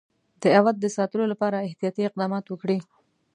د اَوَد د ساتلو لپاره احتیاطي اقدامات وکړي.